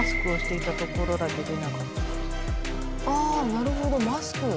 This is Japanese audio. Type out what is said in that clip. なるほどマスク。